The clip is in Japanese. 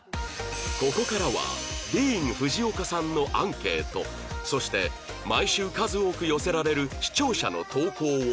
ここからはディーン・フジオカさんのアンケートそして毎週数多く寄せられる視聴者の投稿を凝縮！